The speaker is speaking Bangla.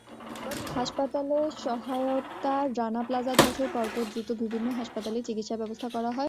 হাসপাতালে সহায়তারানা প্লাজা ধসের পরপর দ্রুত বিভিন্ন হাসপাতালে চিকিৎসার ব্যবস্থা করা হয়।